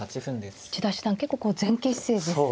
千田七段結構こう前傾姿勢ですね。